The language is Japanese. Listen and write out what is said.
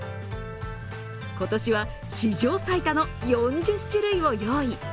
今年は史上最多の４０種類を用意。